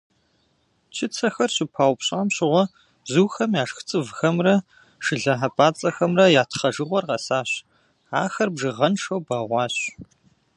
Чыцэхэр щыпаупщӏам щыгъуэ бзухэм яшх цӏывхэмрэ шылэ хьэпӏацӏэхэмрэ я тхъэжыгъуэр къэсащ, ахэр бжыгъэншэу бэгъуащ.